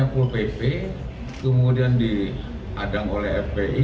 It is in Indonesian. kemudian diadang oleh fpi